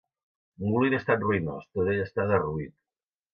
Molí en estat ruïnós; tot ell està derruït.